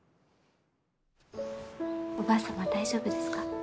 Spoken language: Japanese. おばあ様大丈夫ですか？